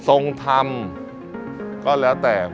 ทรงทำก็แล้วแต่